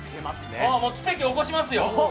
奇跡、起こしますよ。